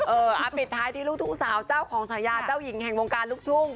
เอามาปิดท้ายที่ลูกทุ่งสาวเจ้าของฉายาเจ้าหญิงแห่งวงการลูกทุ่ง